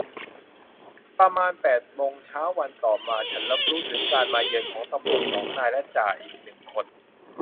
ประมาณแปดโมงเช้าวันต่อมา ฉันรับรู้ถึงการมาเยือนของตำรวจสองนายและจ่าอีกหนึ่งคน